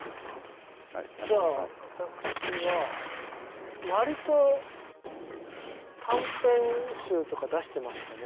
じゃあ私はわりと短編集出してますかね？